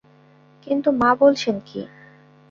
কিন্তু মা বলছেন কী?